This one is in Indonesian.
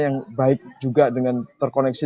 yang baik juga dengan terkoneksi